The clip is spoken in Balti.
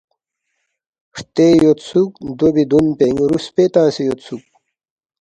ہرتے یودسُوک دو بی دُون پِنگ رُوسپے تنگسے یودسُوک